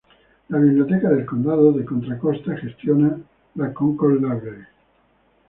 La Biblioteca del Condado de Contra Costa gestiona la Concord Library.